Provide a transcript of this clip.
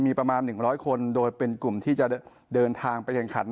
มีประมาณ๑๐๐คนโดยเป็นกลุ่มที่จะเดินทางไปแข่งขัน